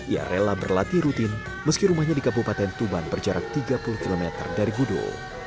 ia rela berlatih rutin meski rumahnya di kabupaten tuban berjarak tiga puluh km dari gudul